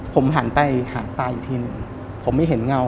ผมหันไปหาตาอีกทีหนึ่งผมไม่เห็นเงา